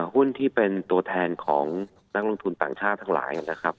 หุ้นที่เป็นตัวแทนของนักลงทุนต่างชาติทั้งหลายนะครับ